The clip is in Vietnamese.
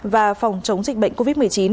và phòng chống dịch bệnh covid một mươi chín